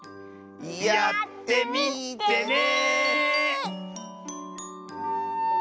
やってみてね！